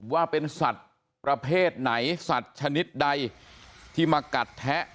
ว่าเป็นสัตว์ประเภทไหนสัตว์ชนิดใดที่มากัดแทะ